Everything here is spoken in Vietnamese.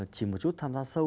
chỉ một chút tham gia sâu